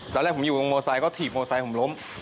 ตอนแรกผมอยู่ตรงมอไซคก็ถีบโมไซค์ผมล้ม